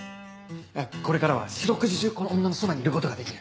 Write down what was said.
これからは四六時中この女のそばにいることができる。